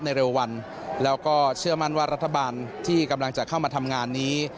เร็ววันแล้วก็เชื่อมั่นว่ารัฐบาลที่กำลังจะเข้ามาทำงานนี้